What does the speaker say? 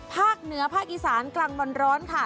ภาคเหนือภาคอีสานกลางวันร้อนค่ะ